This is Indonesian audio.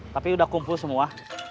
tapi sudah kumpul semua